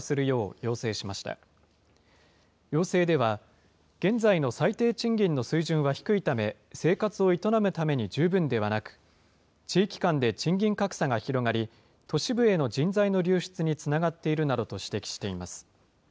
要請では、現在の最低賃金の水準は低いため生活を営むために十分ではなく、地域間で賃金格差が広がり、都市部への人材の流出につながっているなどと指摘しています。